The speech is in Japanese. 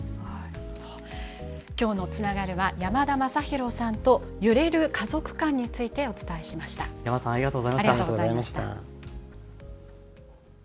きょうのつながるは山田昌弘さんと揺れる家族観についてお伝えしました。